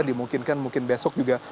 dimungkinkan mungkin besok juga